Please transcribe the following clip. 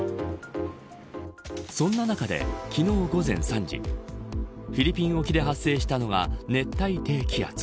そんな中で、昨日午前３時フィリピン沖で発生したのは熱帯低気圧。